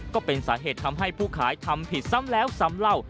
ก็เป็นสาเหตุทำให้ผู้ขายทำผิดซ้ำแล้วซ้ำเล่า